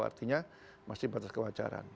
artinya masih batas kewajaran